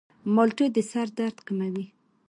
مالټې د سر درد کموي.